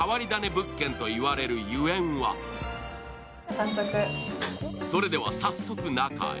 物件といわれるゆえんはそれでは早速中へ。